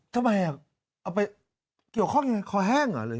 ทำไมเอาไปเกี่ยวข้องไงคอแห้งเหรอ